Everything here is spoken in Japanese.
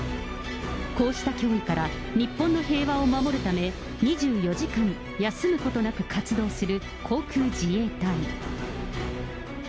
こうした脅威から、日本の平和を守るため、２４時間、休むことなく活動する、航空自衛隊。